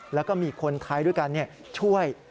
แล้วก็มีคนไทยด้วยกันช่วย